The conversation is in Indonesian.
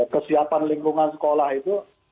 kesiapan lingkungan sekolah itu